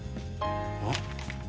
あっ